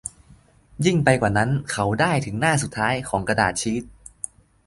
ยิ่งไปกว่านั้น เขาได้าถึงหน้าสุดท้ายของกระดาษชีท